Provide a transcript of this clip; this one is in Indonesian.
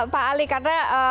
pak ali karena